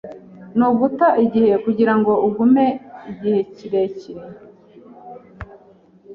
Ni uguta igihe kugirango ugume igihe kirekire.